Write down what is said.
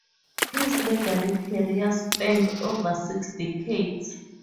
His legal career spanned over six decades.